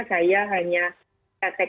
saya hanya praktek